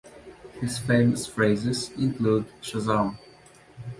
His famous phrases include Shazam!